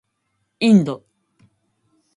インド